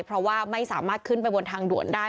เพราะว่าไม่สามารถขึ้นไปบนทางด่วนได้